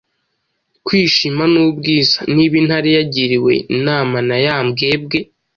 Kwishima ni Ubwiza Niba intare yagiriwe inama na ya mbwebwe,